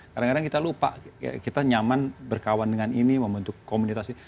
kadang kadang kita lupa kita nyaman berkawan dengan ini membentuk komunitas ini